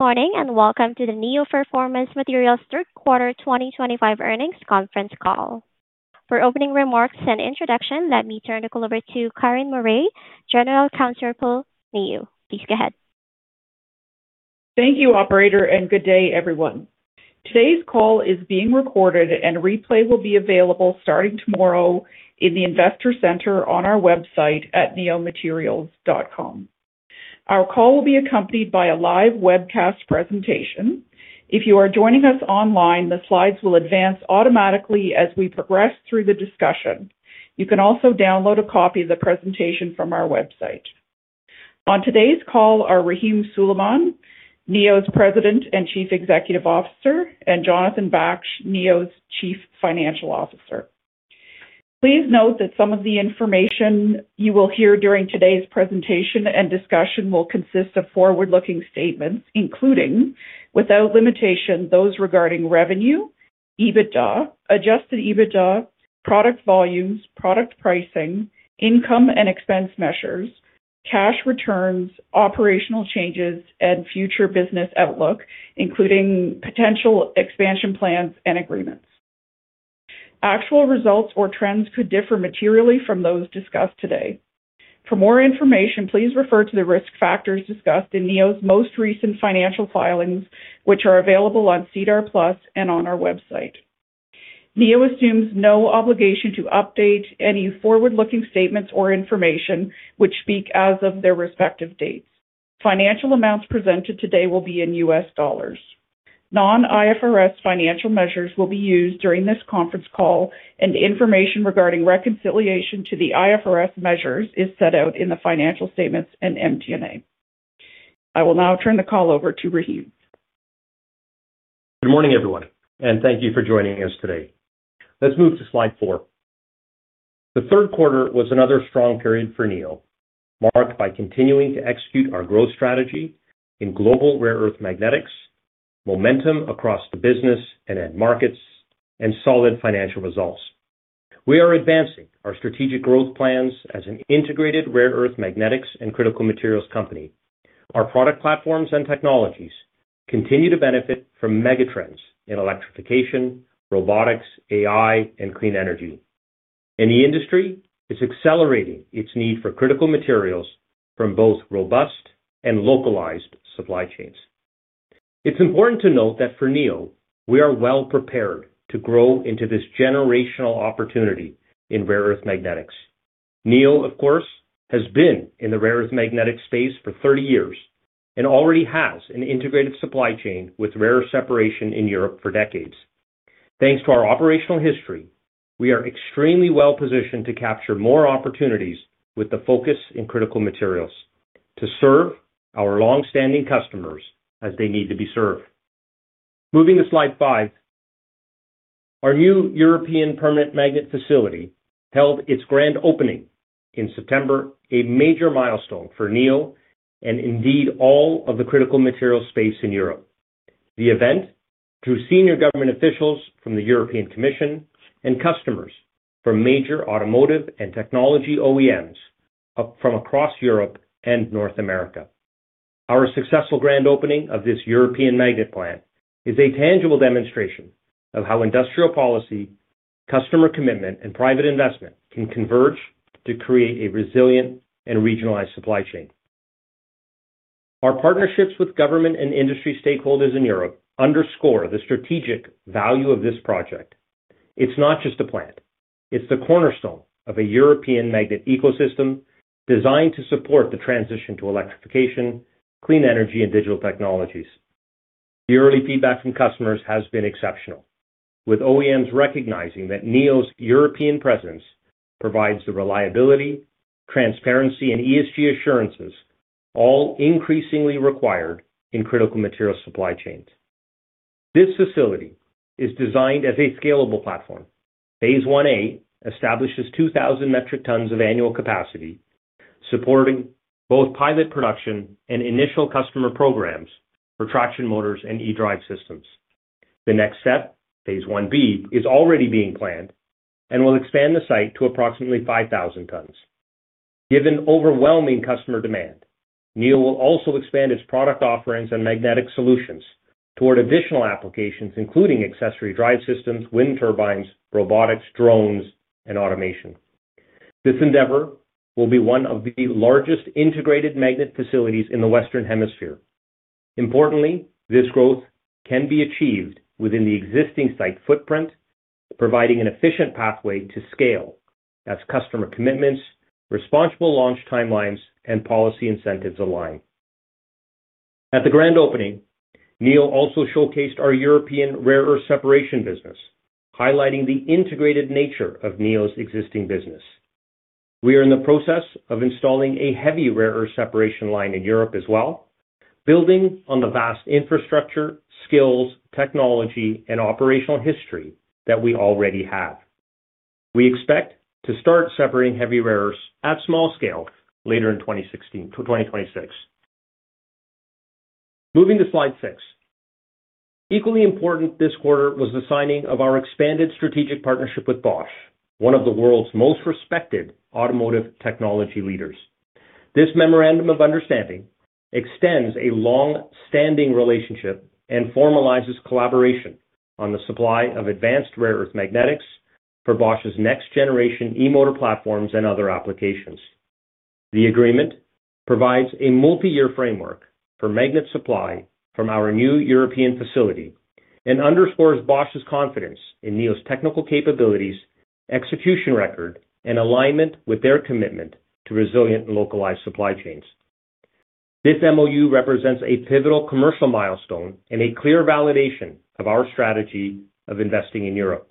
Welcome to the Neo Performance Materials Third Quarter 2025 Earnings Conference Call. For opening remarks and introduction, let me turn the call over to Karen Murray, General Counsel for Neo. Please go ahead. Thank you, operator. Good day, everyone. Today's call is being recorded, and replay will be available starting tomorrow in the investor center on our website, at neomaterials.com. Our call will be accompanied by a live webcast presentation. If you are joining us online, the slides will advance automatically as we progress through the discussion. You can also download a copy of the presentation from our website. On today's call are Rahim Suleman, Neo's President and Chief Executive Officer, and Jonathan Baksh, Neo's Chief Financial Officer. Please note that some of the information you will hear during today's presentation and discussion, will consist of forward-looking statements, including, without limitation, those regarding revenue, EBITDA, adjusted EBITDA, product volumes, product pricing, income and expense measures, cash returns, operational changes, and future business outlook, including potential expansion plans and agreements. Actual results or trends could differ materially from those discussed today. For more information, please refer to the risk factors discussed in Neo's most recent financial filings, which are available on SEDAR+ and on our website. Neo assumes no obligation to update any forward-looking statements or information which speak as of their respective dates. Financial amounts presented today will be in U.S. dollars. Non-IFRS financial measures will be used during this conference call, and information regarding reconciliation to the IFRS measures is set out in the financial statements and MT&A. I will now turn the call over to Rahim. Good morning, everyone, and thank you for joining us today. Let's move to slide four. The third quarter was another strong period for Neo, marked by continuing to execute our growth strategy in global rare-earth magnetics, momentum across the business and end markets, and solid financial results. We are advancing our strategic growth plans as an integrated rare-earth magnetics and critical materials company. Our product platforms and technologies continue to benefit from megatrends in electrification, robotics, AI, and clean energy. The industry is accelerating its need for critical materials from both robust and localized supply chains. It's important to note that for Neo, we are well prepared to grow into this generational opportunity in rare-earth magnetics. Neo of course has been in the rare-earth magnetics space for 30 years, and already has an integrated supply chain with rare separation in Europe for decades. Thanks to our operational history, we are extremely well-positioned to capture more opportunities, with the focus in critical materials to serve our longstanding customers as they need to be served. Moving to slide five, our new European permanent magnet facility held its grand opening in September, a major milestone for Neo and indeed all of the critical materials space in Europe. The event drew senior government officials from the European Commission, and customers from major automotive and technology OEMs from across Europe and North America. Our successful grand opening of this European magnet plant is a tangible demonstration of how industrial policy, customer commitment, and private investment can converge to create a resilient and regionalized supply chain. Our partnerships with government and industry stakeholders in Europe underscore the strategic value of this project. It's not just a plant, it's the cornerstone of a European magnet ecosystem designed to support the transition to electrification, clean energy, and digital technologies. The early feedback from customers has been exceptional, with OEMs recognizing that Neo's European presence provides the reliability, transparency, and ESG assurances, all increasingly required in critical materials supply chains. This facility is designed as a scalable platform. Phase 1A establishes 2,000 MT of annual capacity, supporting both pilot production and initial customer programs for traction motors and e-drive systems. The next step, phase 1B is already being planned and will expand the site to approximately 5,000 t. Given overwhelming customer demand, Neo will also expand its product offerings and magnetic solutions toward additional applications, including accessory drive systems, wind turbines, robotics, drones, and automation. This endeavor will be one of the largest integrated magnet facilities in the Western Hemisphere. Importantly, this growth can be achieved within the existing site footprint, providing an efficient pathway to scale as customer commitments, responsible launch timelines and policy incentives align. At the grand opening, Neo also showcased our European rare earth separation business, highlighting the integrated nature of Neo's existing business. We are in the process of installing a heavy rare earth separation line in Europe as well, building on the vast infrastructure, skills, technology, and operational history that we already have. We expect to start separating heavy rare earths at small scale later in 2016-2026. Moving to slide six, equally important this quarter was the signing of our expanded strategic partnership with Bosch, one of the world's most respected automotive technology leaders. This memorandum of understanding extends a longstanding relationship, and formalizes collaboration on the supply of advanced rare-earth magnetics for Bosch's next-generation e-motor platforms and other applications. The agreement provides a multi-year framework for magnet supply from our new European facility, and underscores Bosch's confidence in Neo's technical capabilities, execution record, and alignment with their commitment to resilient and localized supply chains. This MOU represents a pivotal commercial milestone and a clear validation of our strategy of investing in Europe.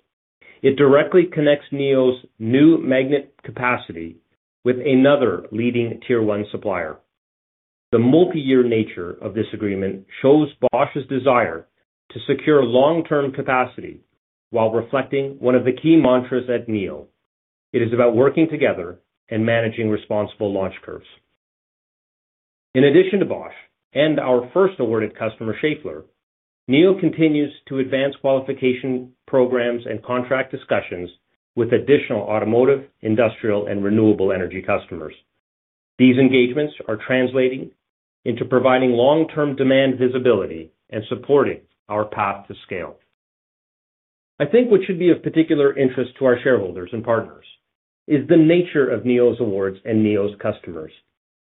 It directly connects Neo's new magnet capacity with another leading tier 1 supplier. The multi-year nature of this agreement shows Bosch's desire to secure long-term capacity, while reflecting one of the key mantras at Neo. It is about working together and managing responsible launch curves. In addition to Bosch and our first awarded customer, Schaeffler, Neo continues to advance qualification programs and contract discussions with additional automotive, industrial, and renewable energy customers. These engagements are translating into providing long-term demand visibility and supporting our path to scale. I think what should be of particular interest to our shareholders and partners is the nature of Neo's awards and Neo's customers.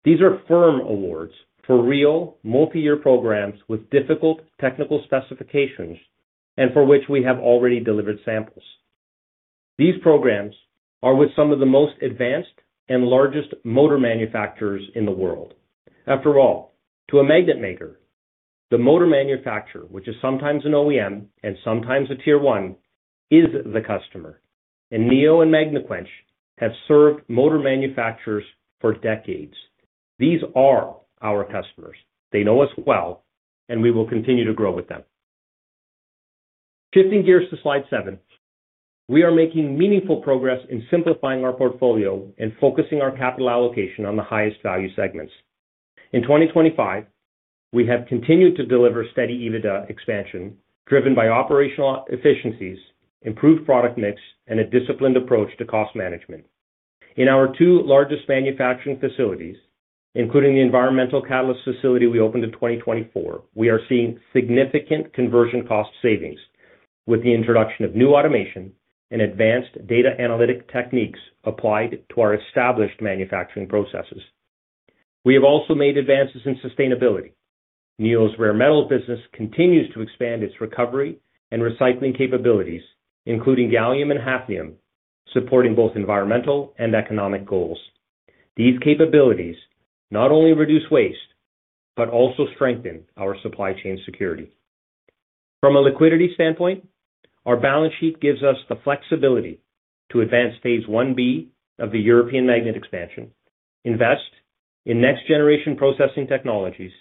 These are firm awards for real multi-year programs with difficult technical specifications, and for which we have already delivered samples. These programs are with some of the most advanced, and largest motor manufacturers in the world. After all, to a magnet maker, the motor manufacturer, which is sometimes an OEM and sometimes a tier 1, is the customer. Neo and Magnaquench have served motor manufacturers for decades. These are our customers. They know us well, and we will continue to grow with them. Shifting gears to slide seven, we are making meaningful progress in simplifying our portfolio and focusing our capital allocation on the highest value segments. In 2025, we have continued to deliver steady EBITDA expansion, driven by operational efficiencies, improved product mix and a disciplined approach to cost management. In our two largest manufacturing facilities, including the environmental catalyst facility we opened in 2024, we are seeing significant conversion cost savings, with the introduction of new automation and advanced data analytic techniques applied to our established manufacturing processes. We have also made advances in sustainability. Neo's rare metal business continues to expand its recovery and recycling capabilities, including gallium and hafnium, supporting both environmental and economic goals. These capabilities not only reduce waste, but also strengthen our supply chain security. From a liquidity standpoint, our balance sheet gives us the flexibility to advance phase 1B of the European magnet expansion, invest in next-generation processing technologies,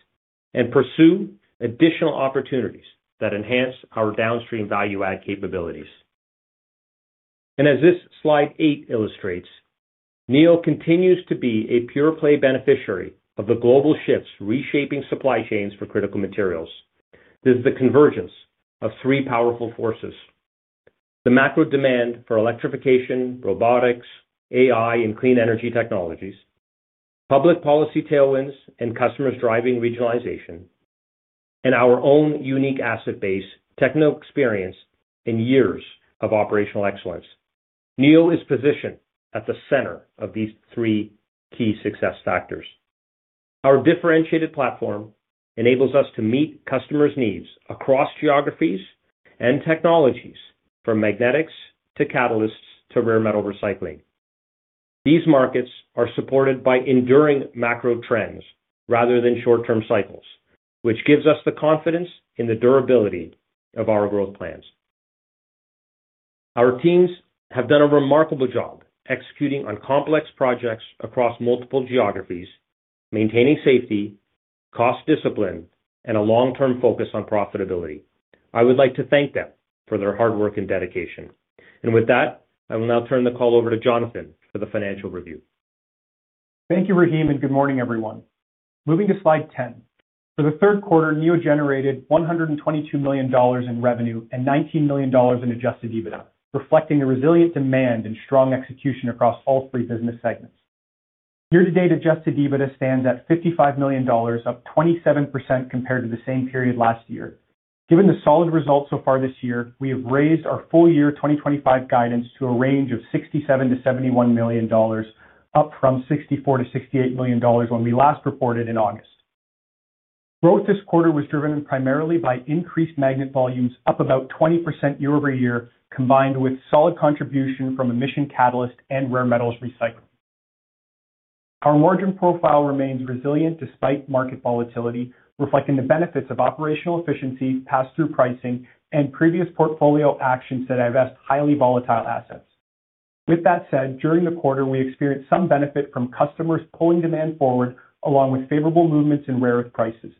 and pursue additional opportunities that enhance our downstream value-add capabilities. As this slide eight illustrates, Neo continues to be a pure play beneficiary of the global shifts, reshaping supply chains for critical materials. This is the convergence of three powerful forces, the macro demand for electrification, robotics, AI, and clean energy technologies, public policy tailwinds and customers driving regionalization, and our own unique asset base, techno experience, and years of operational excellence. Neo is positioned at the center of these three key success factors. Our differentiated platform enables us to meet customers' needs across geographies and technologies from magnetics to catalysts to rare metal recycling. These markets are supported by enduring macro trends rather than short-term cycles, which gives us the confidence in the durability of our growth plans. Our teams have done a remarkable job executing on complex projects across multiple geographies, maintaining safety, cost discipline, and a long-term focus on profitability. I would like to thank them for their hard work and dedication. With that, I will now turn the call over to Jonathan for the financial review. Thank you, Rahim. Good morning, everyone. Moving to slide 10, for the third quarter, Neo generated $122 million in revenue and $19 million in adjusted EBITDA, reflecting a resilient demand and strong execution across all three business segments. Year-to-date adjusted EBITDA stands at $55 million, up 27% compared to the same period last year. Given the solid results so far this year, we have raised our full-year 2025 guidance to a range of $67 million-$71 million, up from $64 million-$68 million when we last reported in August. Growth this quarter was driven primarily by increased magnet volumes, up about 20% year-over-year, combined with solid contribution from emission catalyst and rare metals recycling. Our margin profile remains resilient despite market volatility, reflecting the benefits of operational efficiency, pass-through pricing and previous portfolio actions that have asked highly volatile assets. With that said, during the quarter, we experienced some benefit from customers, pulling demand forward, along with favorable movements in rare earth prices.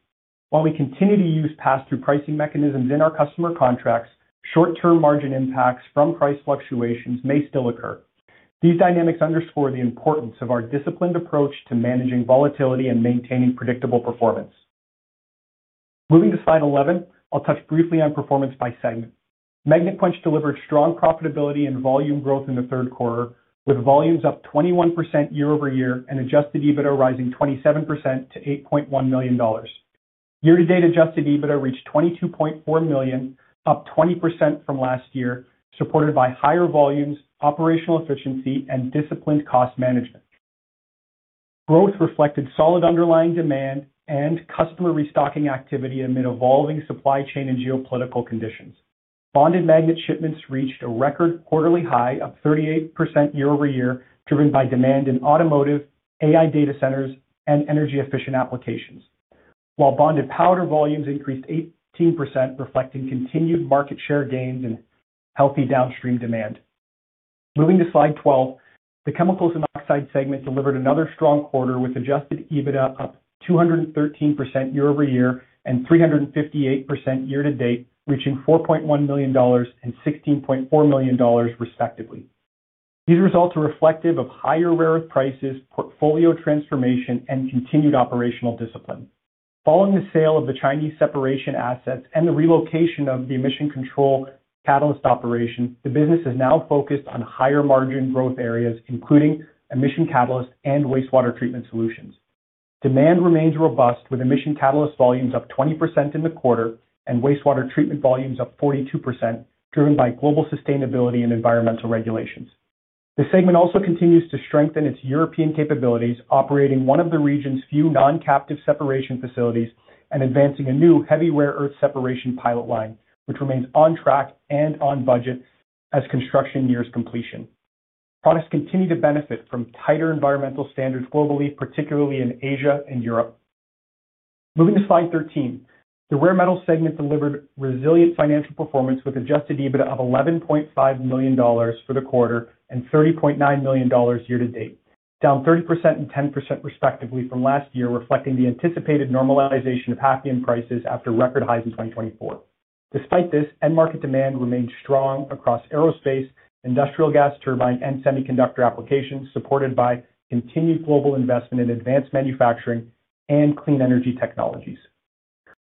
While we continue to use pass-through pricing mechanisms in our customer contracts, short-term margin impacts from price fluctuations may still occur. These dynamics underscore the importance of our disciplined approach to managing volatility and maintaining predictable performance. Moving to slide 11, I'll touch briefly on performance by segment. Magnaquench delivered strong profitability and volume growth in the third quarter, with volumes up 21% year-over-year and adjusted EBITDA rising 27% to $8.1 million. Year-to-date adjusted EBITDA reached $22.4 million, up 20% from last year, supported by higher volumes, operational efficiency, and disciplined cost management. Growth reflected solid underlying demand and customer restocking activity amid evolving supply chain and geopolitical conditions. Bonded magnet shipments reached a record quarterly high of 38% year-over-year, driven by demand in automotive, AI data centers, and energy-efficient applications, while bonded powder volumes increased 18%, reflecting continued market share gains and healthy downstream demand. Moving to slide 12, the chemicals and oxide segment delivered another strong quarter, with adjusted EBITDA up 213% year-over-year and 358% year-to-date, reaching $4.1 million and $16.4 million, respectively. These results are reflective of higher rare earth prices, portfolio transformation, and continued operational discipline. Following the sale of the Chinese separation assets and the relocation of the emission control catalyst operation, the business is now focused on higher margin growth areas, including emission catalyst and wastewater treatment solutions. Demand remains robust, with emission catalyst volumes up 20% in the quarter and wastewater treatment volumes up 42%, driven by global sustainability and environmental regulations. The segment also continues to strengthen its European capabilities, operating one of the region's few non-captive separation facilities and advancing a new heavy rare earth separation pilot line, which remains on track and on budget as construction nears completion. Products continue to benefit from tighter environmental standards globally, particularly in Asia and Europe. Moving to slide 13, the rare metals segment delivered resilient financial performance, with adjusted EBITDA of $11.5 million for the quarter and $30.9 million year-to-date, down 30% and 10%, respectively from last year, reflecting the anticipated normalization of hafnium prices after record highs in 2024. Despite this, end market demand remained strong across aerospace, industrial gas turbine, and semiconductor applications, supported by continued global investment in advanced manufacturing and clean energy technologies.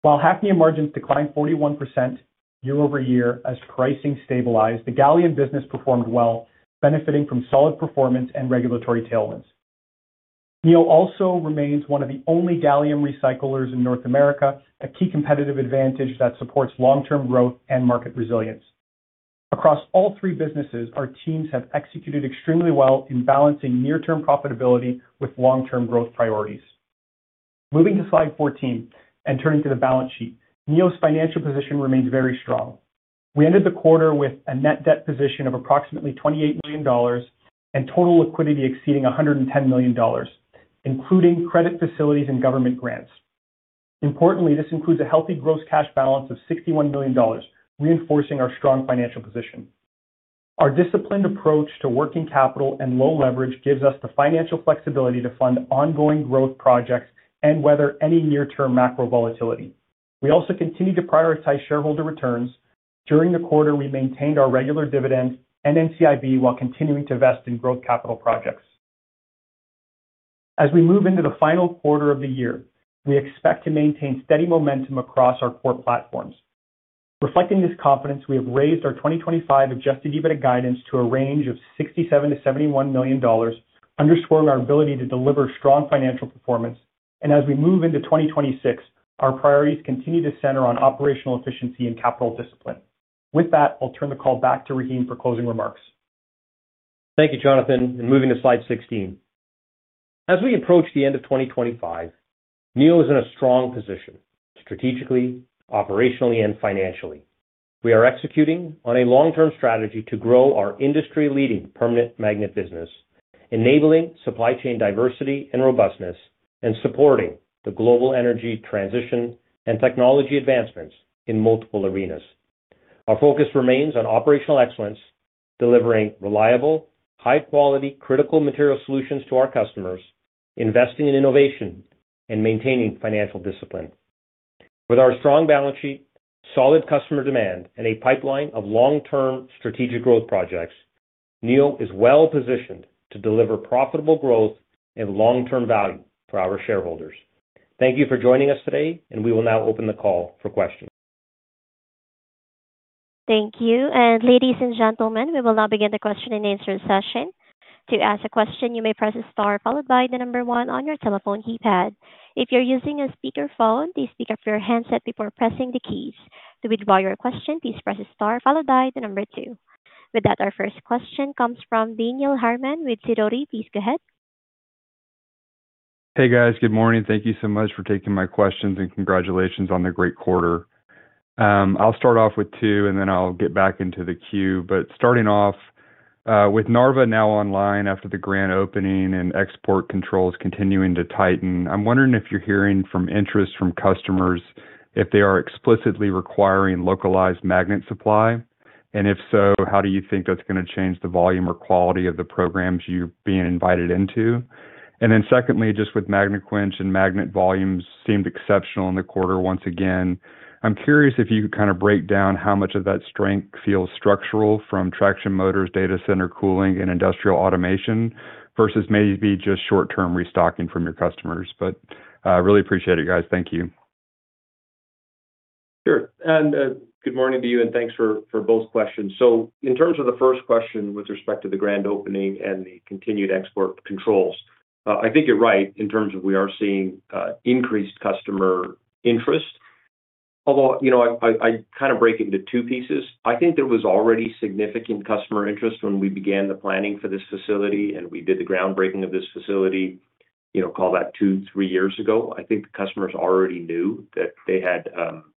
While hafnium margins declined 41% year-over-year as pricing stabilized, the gallium business performed well, benefiting from solid performance and regulatory tailwinds. Neo also remains one of the only gallium recyclers in North America, a key competitive advantage that supports long-term growth and market resilience. Across all three businesses, our teams have executed extremely well in balancing near-term profitability with long-term growth priorities. Moving to slide 14 and turning to the balance sheet, Neo's financial position remains very strong. We ended the quarter with a net debt position of approximately $28 million and total liquidity exceeding $110 million, including credit facilities and government grants. Importantly, this includes a healthy gross cash balance of $61 million, reinforcing our strong financial position. Our disciplined approach to working capital and low leverage gives us the financial flexibility to fund ongoing growth projects, and weather any near-term macro volatility. We also continue to prioritize shareholder returns. During the quarter, we maintained our regular dividend and NCIB, while continuing to invest in growth capital projects. As we move into the final quarter of the year, we expect to maintain steady momentum across our core platforms. Reflecting this confidence, we have raised our 2025 adjusted EBITDA guidance to a range of $67 million-$71 million, underscoring our ability to deliver strong financial performance. As we move into 2026, our priorities continue to center on operational efficiency and capital discipline. With that, I'll turn the call back to Rahim for closing remarks. Thank you, Jonathan. Moving to slide 16. As we approach the end of 2025, Neo is in a strong position strategically, operationally, and financially. We are executing on a long-term strategy, to grow our industry-leading permanent magnet business, enabling supply chain diversity and robustness, and supporting the global energy transition and technology advancements in multiple arenas. Our focus remains on operational excellence, delivering reliable, high-quality, critical material solutions to our customers, investing in innovation, and maintaining financial discipline. With our strong balance sheet, solid customer demand, and a pipeline of long-term strategic growth projects, Neo is well-positioned to deliver profitable growth and long-term value for our shareholders. Thank you for joining us today, and we will now open the call for questions. Thank you. Ladies and gentlemen, we will now begin the question-and-answer session. To ask a question, you may press star followed by the number one on your telephone keypad. If you are using a speakerphone, please pick up your handset before pressing the keys. To withdraw your question, please press star followed by the number two. With that, our first question comes from [Daniel Harman with Sirori]. Please go ahead. Hey, guys. Good morning. Thank you so much for taking my questions, and congratulations on the great quarter. I'll start off with two, and then I'll get back into the queue. Starting off, with Narva now online after the grand opening and export controls continuing to tighten, I'm wondering if you're hearing from interest from customers if they are explicitly requiring localized magnet supply. If so, how do you think that's going to change the volume or quality of the programs you're being invited into? Secondly, just Magnaquench and magnet volumes seemed exceptional in the quarter once again. I'm curious if you could kind of break down how much of that strength feels structural from traction motors, data center cooling, and industrial automation versus maybe just short-term restocking from your customers. I really appreciate it, guys. Thank you. Sure. Good morning to you, and thanks for both questions. In terms of the first question with respect to the grand opening and the continued export controls, I think you're right in terms of, we are seeing increased customer interest. Although I kind of break it into two pieces, I think there was already significant customer interest when we began the planning for this facility, and we did the groundbreaking of this facility, call that two, three years ago. I think the customers already knew that they had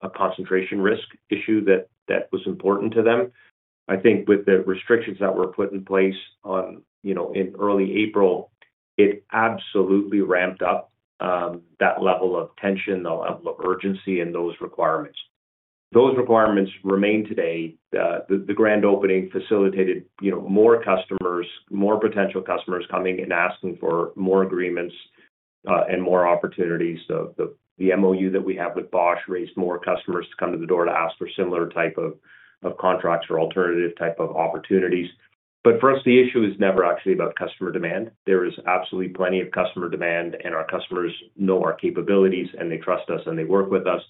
a concentration risk issue that was important to them. I think with the restrictions that were put in place in early April, it absolutely ramped up that level of attention, the level of urgency in those requirements. Those requirements remain today. The grand opening facilitated more potential customers coming and asking for more agreements and more opportunities. The MOU that we have with Bosch raised more customers to come to the door to ask for similar type of contracts or alternative type of opportunities. For us, the issue is never actually about customer demand. There is absolutely plenty of customer demand, and our customers know our capabilities and they trust us, and they work with us.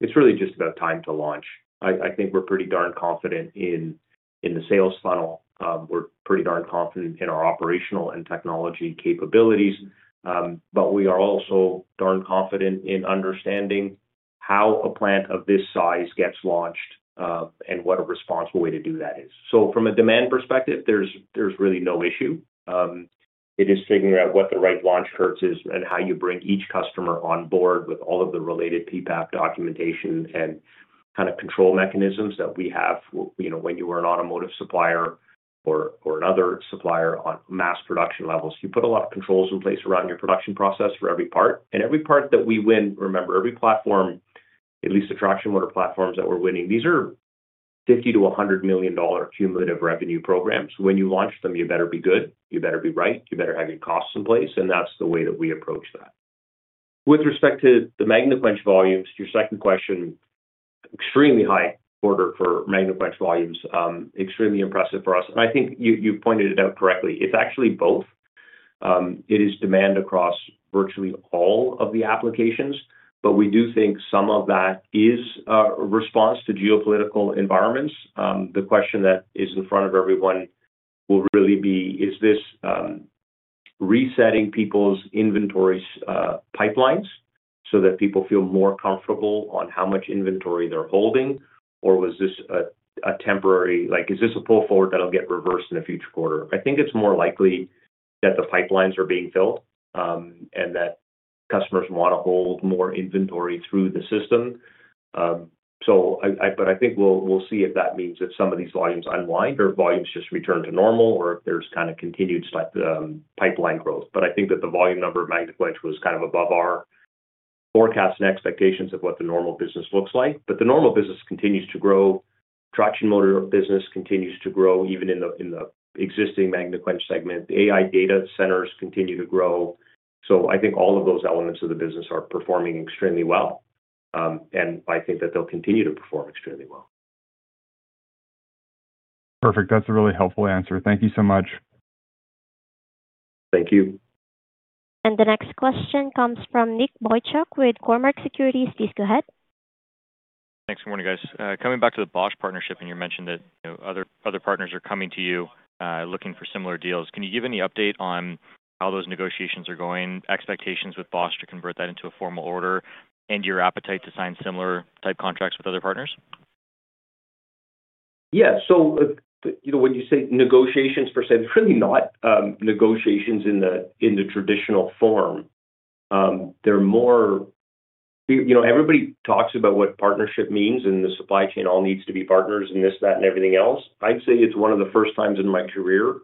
It's really just about time to launch. I think we're pretty darn confident in the sales funnel. We're pretty darn confident in our operational and technology capabilities, but we are also darn confident in understanding how a plant of this size gets launched and what a responsible way to do that is. From a demand perspective, there's really no issue. It is figuring out what the right launch [curve] is, and how you bring each customer on board with all of the related PPAP documentation and kind of control mechanisms that we have. When you are an automotive supplier or another supplier on mass production levels, you put a lot of controls in place around your production process for every part. Remember, every platform, at least the traction motor platforms that we are winning, these are $50 million-$100 million cumulative revenue programs. When you launch them, you better be good, you better be right, you better have your costs in place and that is the way that we approach that. With respect to the Magnaquench volumes, your second question, extremely high order for Magnaquench volumes, extremely impressive for us. I think you pointed it out correctly, it's actually both. It is demand across virtually all of the applications, but we do think some of that is a response to geopolitical environments. The question that is in front of everyone will really be, is this resetting people's inventory pipelines so that people feel more comfortable on how much inventory they're holding, or was this temporary? Is this a pull forward that'll get reversed in the future quarter? I think it's more likely that the pipelines are being filled, and that customers want to hold more inventory through the system. I think we'll see if that means that some of these volumes unwind or volumes just return to normal, or if there's kind of continued pipeline growth. I think that the volume number of Magnaquench was kind of above our forecast and expectations of what the normal business looks like. The normal business continues to grow. Traction motor business continues to grow even in the existing Magnaquench segment. AI data centers continue to grow. I think all of those elements of the business are performing extremely well, and I think that they'll continue to perform extremely well. Perfect, that's a really helpful answer. Thank you so much. Thank you. The next question comes from Nick Boychuk with Cormark Securities. Please go ahead. Thanks. Good morning, guys. Coming back to the Bosch partnership, and you mentioned that other partners are coming to you looking for similar deals. Can you give any update on how those negotiations are going, expectations with Bosch to convert that into a formal order and your appetite to sign similar-type contracts with other partners? Yeah. When you say negotiations for sales, it's really not negotiations in the traditional form. Everybody talks about what partnership means, and the supply chain all needs to be partners and this, that, and everything else. I'd say it's one of the first times in my career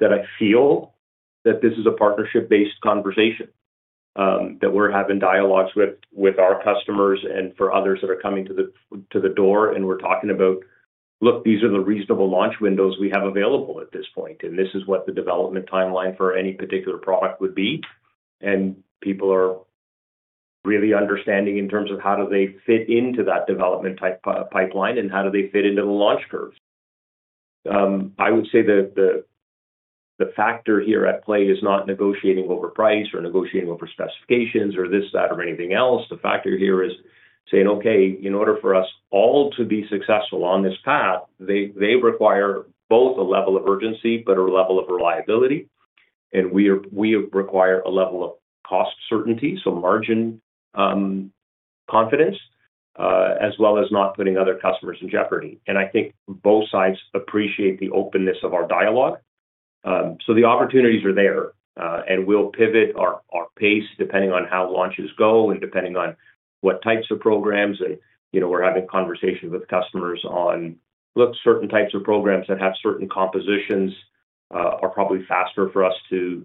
that I feel that this is a partnership-based conversation, that we're having dialogues with our customers and for others that are coming to the door, and we're talking about, "Look, these are the reasonable launch windows we have available at this point, and this is what the development timeline for any particular product would be." People are really understanding in terms of, how do they fit into that development type pipeline and how do they fit into the launch curve? I would say the factor here at play is not negotiating over price or negotiating over specifications or this, that, or anything else. The factor here is saying, "Okay, in order for us all to be successful on this path, they require both a level of urgency, but a level of reliability. We require a level of cost certainty, so margin confidence, as well as not putting other customers in jeopardy." I think both sides appreciate the openness of our dialogue. The opportunities are there, and we'll pivot our pace depending on how launches go and depending on what types of programs. We are having conversations with customers on, "Look, certain types of programs that have certain compositions are probably faster for us to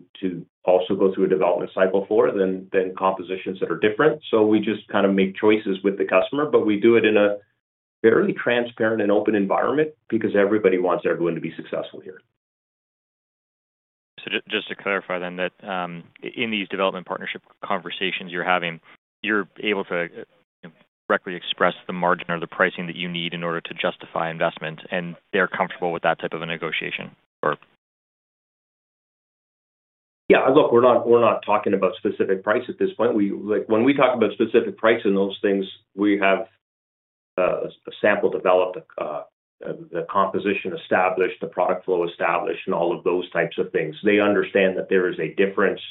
also go through a development cycle for than compositions that are different." We just kind of make choices with the customer, but we do it in a fairly transparent and open environment because everybody wants everyone to be successful here. Just to clarify then, in these development partnership conversations you're having, you're able to directly express the margin or the pricing that you need in order to justify investment and they're comfortable with that type of a negotiation? Yeah. Look, we're not talking about specific price at this point. When we talk about specific price and those things, we have a sample developed, the composition established, the product flow established and all of those types of things. They understand that there is a difference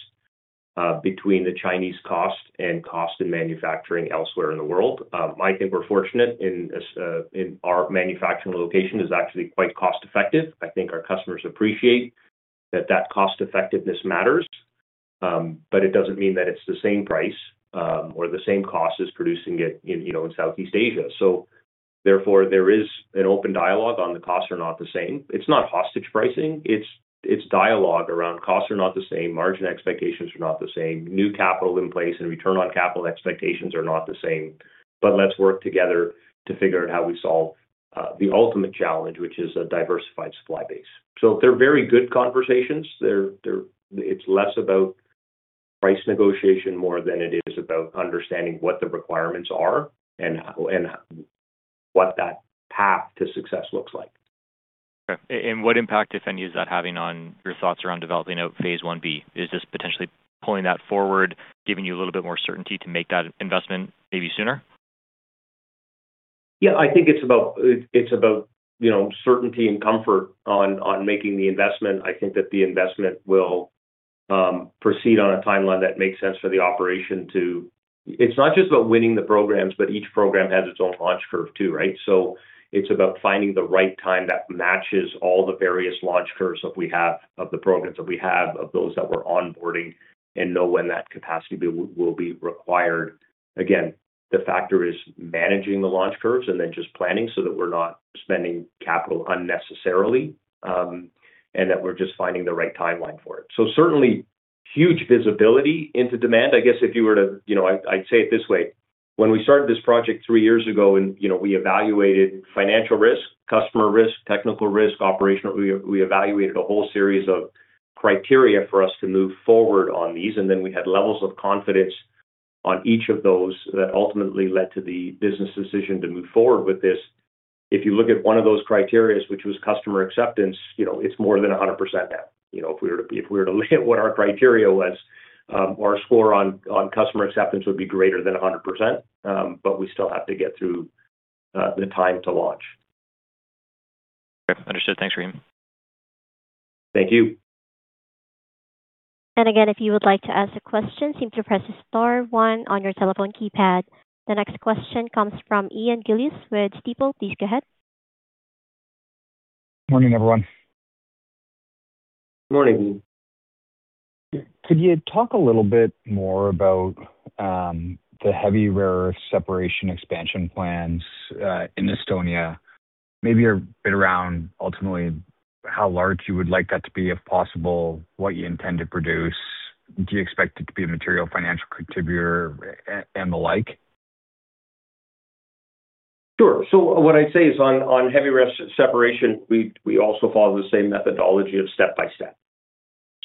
between the Chinese cost and cost in manufacturing elsewhere in the world. I think we're fortunate in, our manufacturing location is actually quite cost-effective. I think our customers appreciate that that cost-effectiveness matters, but it doesn't mean that it's the same price or the same cost as producing it in Southeast Asia. Therefore, there is an open dialogue on, the costs are not the same. It's not hostage pricing. It's dialogue around, costs are not the same, margin expectations are not the same, new capital in place, and return on capital expectations are not the same. Let's work together to figure out how we solve the ultimate challenge, which is a diversified supply base. They're very good conversations. It's less about price negotiation, more than it is about understanding what the requirements are and what that path to success looks like. Okay. What impact, if any, is that having on your thoughts around developing a phase 1B? Is this potentially pulling that forward, giving you a little bit more certainty to make that investment maybe sooner? Yeah. I think it's about certainty and comfort on making the investment. I think that the investment will proceed on a timeline that makes sense for the operation too. It's not just about winning the programs, but each program has its own launch curve too, right? It's about finding the right time that matches all the various launch curves that we have, of the programs that we have, of those that we're onboarding and knowing when that capacity will be required. Again, the factor is managing the launch curves and then just planning, so that we're not spending capital unnecessarily and that we're just finding the right timeline for it. Certainly, huge visibility into demand. I guess I'd say it this way, when we started this project three years ago, we evaluated financial risk, customer risk, technical risk, operational, we evaluated a whole series of criteria for us to move forward on these, and then we had levels of confidence on each of those, that ultimately led to the business decision to move forward with this. If you look at one of those criteria, which was customer acceptance, it's more than 100% now. If we were to look at what our criteria was, our score on customer acceptance would be greater than 100%, but we still have to get through the time to launch. Okay, understood. Thanks, Rahim. Thank you. Again, if you would like to ask a question, press the star, one on your telephone keypad. The next question comes from Ian Gillies with Stifel. Please go ahead. Morning, everyone. Morning. Could you talk a little bit more about the heavy rare earth separation expansion plans in Estonia? Maybe a bit around ultimately how large you would like that to be, if possible, what you intend to produce. Do you expect it to be a material financial contributor and the like? Sure. What I'd say is, on heavy rare separation, we also follow the same methodology of step by step.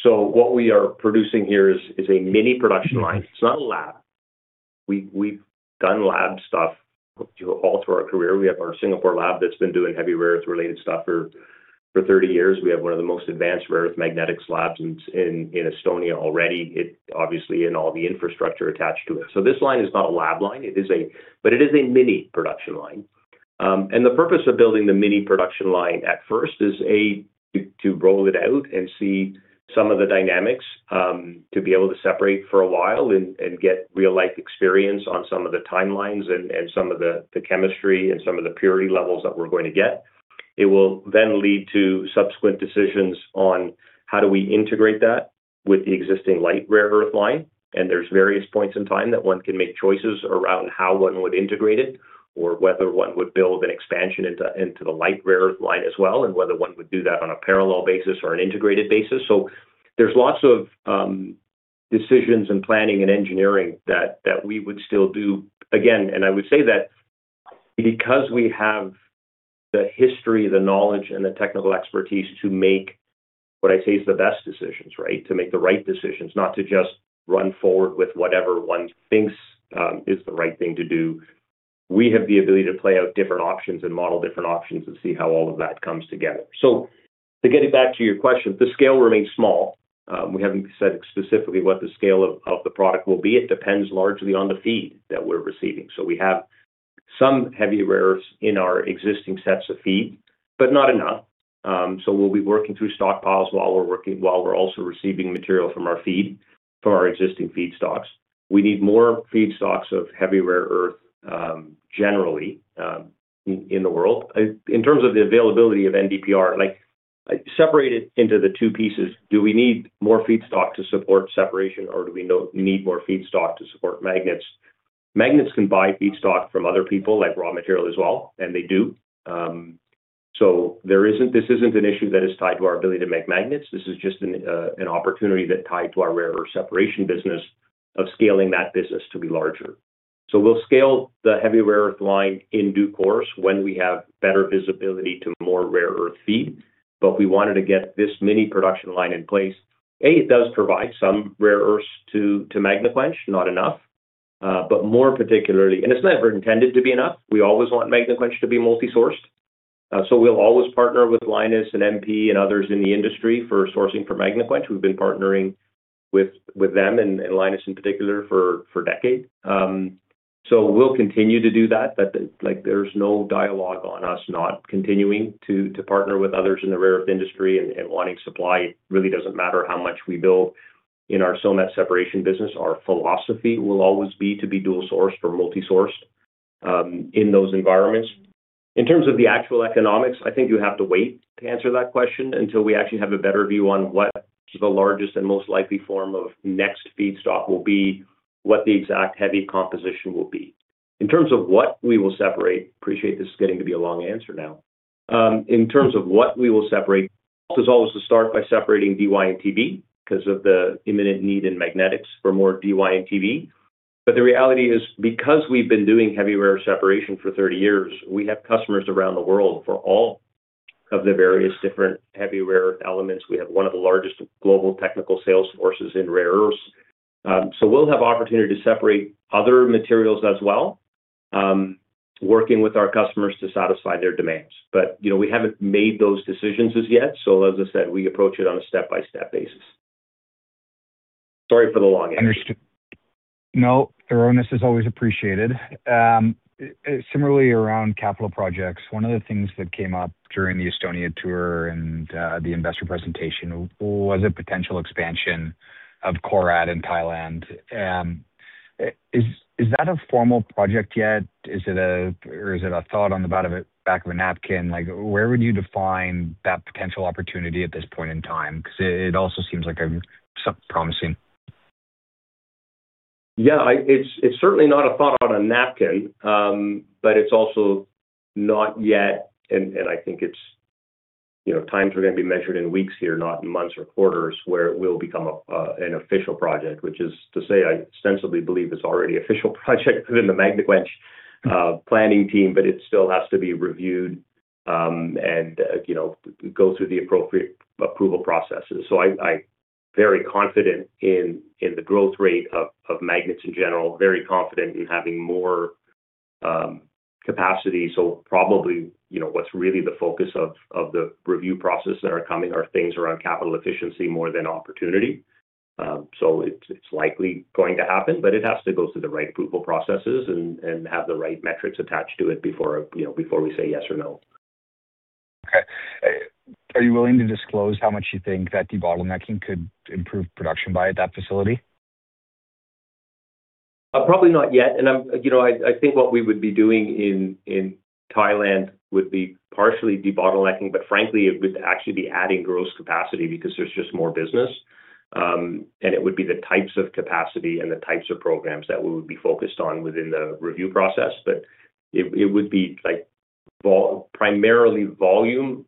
What we are producing here is a mini production line. It's not a lab. We've done lab stuff all through our career. We have our Singapore lab that's been doing heavy rare earth-related stuff for 30 years. We have one of the most advanced rare-earth magnetics labs in Estonia already obviously, and all the infrastructure attached to it. This line is not a lab line, but it is a mini production line. The purpose of building the mini production line at first is to roll it out and see some of the dynamics, to be able to separate for a while and get real-life experience on some of the timelines and some of the chemistry and some of the purity levels that we're going to get. It will then lead to subsequent decisions on, how do we integrate that with the existing light rare earth line? There are various points in time that one can make choices around how one would integrate it, or whether one would build an expansion into the light rare earth line as well and whether one would do that on a parallel basis or an integrated basis. There are lots of decisions and planning, and engineering that we would still do. Again, I would say that because we have the history, the knowledge, and the technical expertise to make what I say is the best decisions, right, to make the right decisions, not to just run forward with whatever one thinks is the right thing to do, we have the ability to play out different options and model different options, and see how all of that comes together. To get back to your question, the scale remains small. We haven't said specifically what the scale of the product will be. It depends largely on the feed that we're receiving. We have some heavy rare earths in our existing sets of feed, but not enough. We'll be working through stockpiles while we're also receiving material from our existing feed stocks. We need more feed stocks of heavy rare earth generally in the world. In terms of the availability of NdPr, separate it into the two pieces, do we need more feed stock to support separation or do we need more feed stock to support magnets? Magnets can buy feed stock from other people, like raw material as well and they do. This isn't an issue that is tied to our ability to make magnets. This is just an opportunity that's tied to our rare earth separation business, of scaling that business to be larger. We'll scale the heavy rare earth line in due course, when we have better visibility to more rare earth feed. We wanted to get this mini production line in place. A, it does provide some rare earths to Magnaquench, not enough and it's never intended to be enough. We always want Magnaquench to be multi-sourced. We will always partner with Lynas and MP, and others in the industry for sourcing for Magnaquench. We have been partnering with them, and Lynas in particular for a decade. We will continue to do that. There is no dialogue on us not continuing to partner with others in the rare earth industry and wanting supply. It really does not matter how much we build in our soil mat separation business. Our philosophy will always be to be dual-sourced or multi-sourced in those environments. In terms of the actual economics, I think you have to wait to answer that question, until we actually have a better view on what the largest and most likely form of next feed stock will be, what the exact heavy composition will be I appreciate this is getting to be a long answer now. In terms of what we will separate, it's always to start by separating Dy and Tb because of the imminent need in magnetics for more Dy and Tb. The reality is, because we've been doing heavy rare separation for 30 years, we have customers around the world for all of the various different heavy rare-earth elements. We have one of the largest global technical sales forces in rare earths. We will have the opportunity to separate other materials as well, working with our customers to satisfy their demands. We haven't made those decisions as yet, so as I said, we approach it on a step-by-step basis. Sorry for the long answer. Understood. No, your honesty is always appreciated. Similarly, around capital projects, one of the things that came up during the Estonia tour and the investor presentation was a potential expansion of Korat in Thailand. Is that a formal project yet? Is it a thought on the back of a napkin? Where would you define that potential opportunity at this point in time? It also seems like something promising. Yeah. It's certainly not a thought on a napkin, but I think times are going to be measured in weeks here, not in months or quarters, where it will become an official project, which is to say I ostensibly believe it's already an official project within the Magnaquench planning team, but it still has to be reviewed and go through the appropriate approval processes. I'm very confident in the growth rate of magnets in general, very confident in having more capacity. Probably what's really the focus of the review process that are coming are things around capital efficiency more than opportunity. It's likely going to happen, but it has to go through the right approval processes and have the right metrics attached to it before we say yes or no. Okay. Are you willing to disclose how much you think that debottlenecking could improve production by at that facility? Probably not yet. I think what we would be doing in Thailand, would be partially debottlenecking, but frankly, it would actually be adding gross capacity because there is just more business. It would be the types of capacity and the types of programs that we would be focused on within the review process. It would be primarily volume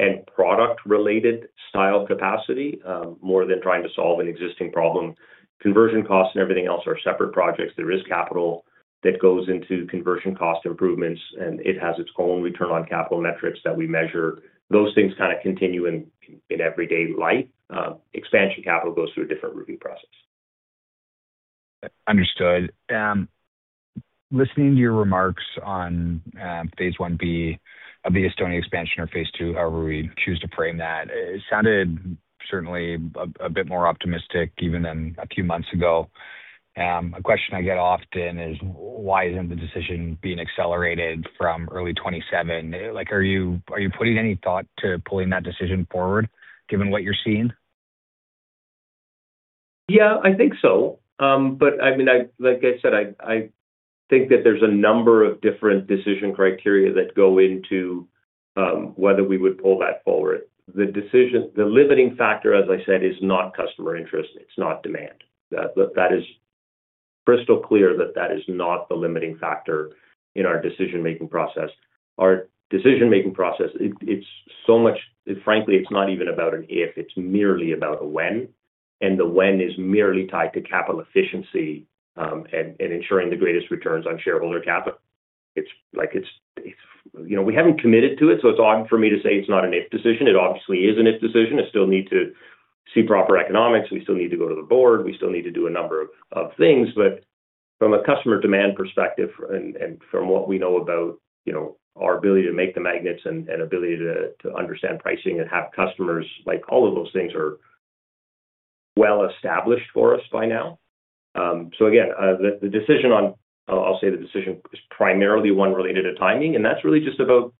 and product-related style capacity, more than trying to solve an existing problem. Conversion costs and everything else are separate projects. There is capital that goes into conversion cost improvements, and it has its own return on capital metrics that we measure. Those things kind of continue in everyday life. Expansion capital goes through a different review process. Understood. Listening to your remarks on phase 1B of the Estonia expansion or phase II, however we choose to frame that, it sounded certainly a bit more optimistic even than a few months ago. A question I get often is, why isn't the decision being accelerated from early 2027? Are you putting any thought to pulling that decision forward, given what you're seeing? Yeah, I think so. I mean, like I said, I think that there's a number of different decision criteria that go into whether we would pull that forward. The limiting factor, as I said, is not customer interest. It's not demand. That is crystal clear that that is not the limiting factor in our decision-making process. Our decision-making process, frankly, it's not even about an if. It's merely about a when. The when is merely tied to capital efficiency, and ensuring the greatest returns on shareholder capital. It's like, we haven't committed to it, so it's odd for me to say it's not an if decision. It obviously is an if decision. I still need to see proper economics. We still need to go to the board. We still need to do a number of things. From a customer demand perspective and from what we know about our ability to make the magnets and ability to understand pricing and have customers, all of those things are well established for us by now. Again, I will say the decision is primarily one related to timing, and that's really just about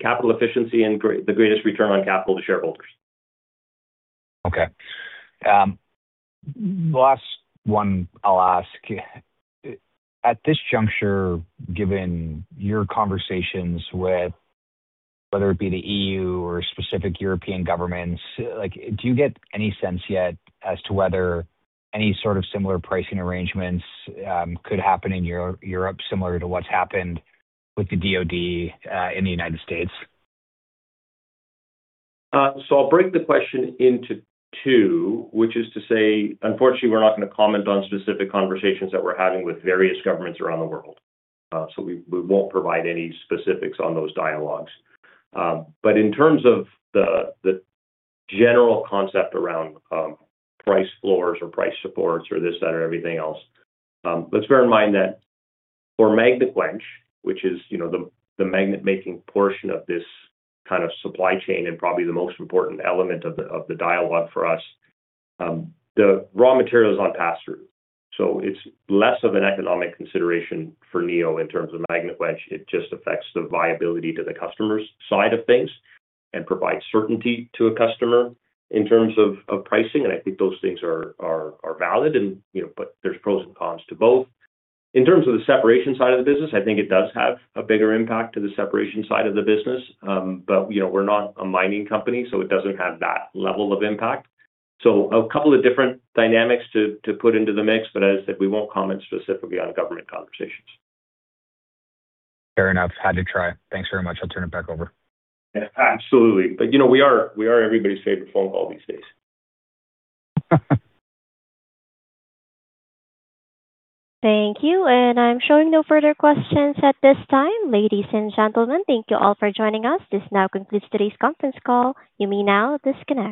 capital efficiency and the greatest return on capital to shareholders. Okay. Last one I'll ask. At this juncture, given your conversations with whether it be the EU or specific European governments, do you get any sense yet as to whether any sort of similar pricing arrangements could happen in Europe similar to what's happened with the DOD in the United States? I'll break the question into two, which is to say, unfortunately we're not going to comment on specific conversations that we're having with various governments around the world. We won't provide any specifics on those dialogues. In terms of the general concept around price floors or price supports or this, that, or everything else, let's bear in mind that for Magnaquench, which is the magnet-making portion of this kind of supply chain and probably the most important element of the dialogue for us, the raw material is on pass-through. It's less of an economic consideration for Neo in terms of Magnaquench. It just affects the viability to the customers' side of things, and provides certainty to a customer in terms of pricing. I think those things are valid, but there's pros and cons to both. In terms of the separation side of the business, I think it does have a bigger impact to the separation side of the business. We're not a mining company, so it doesn't have that level of impact. A couple of different dynamics to put into the mix, but as I said, we won't comment specifically on government conversations. Fair enough. Had to try. Thanks very much. I'll turn it back over. Absolutely. We are everybody's favorite phone call these days. Thank you. I am showing no further questions at this time. Ladies and gentlemen, thank you all for joining us. This now concludes today's conference call. You may now disconnect.